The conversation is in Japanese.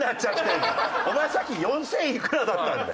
お前さっき４０００いくらだったんだよ。